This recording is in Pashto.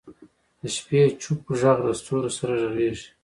د شپې چوپ ږغ د ستورو سره غږېږي.